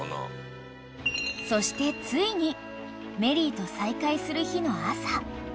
［そしてついにメリーと再会する日の朝］